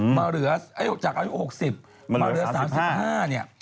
มาเหลือจากอายุ๖๐มาเหลือ๓๕เนี่ย